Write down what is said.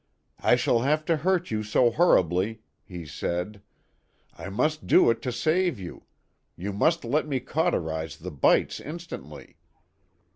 " I shall have to hurt you so horribly," he said ;" I must do it to save you you must let me cauterize the bites in stantly."